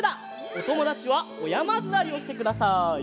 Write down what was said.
おともだちはおやまずわりをしてください。